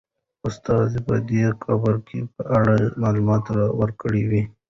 استاد به د دې قبر په اړه معلومات ورکړي وي.